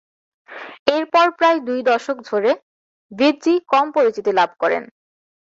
এরপর প্রায় দুই দশক ধরে ভিজ্জি কম পরিচিতি লাভ করেন।